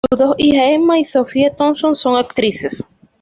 Sus dos hijas Emma y Sophie Thompson son actrices.